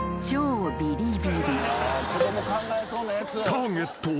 ［ターゲットは］